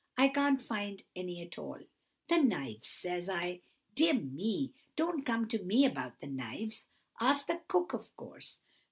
I can't find any at all!' "'No knives!' says I. 'Dear me, don't come to me about the knives. Ask the cook, of course.